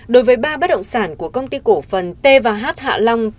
đối với ba bất động sản của công ty cổ phần t và h hạ long